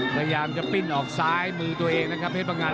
พยายามจะปิ้นออกซ้ายมือตัวเองนะครับเพชรพังงัน